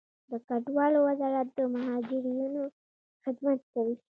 د کډوالو وزارت د مهاجرینو خدمت کوي